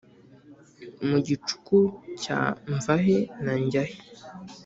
Mu gicuku cya mvahe-na-njyahe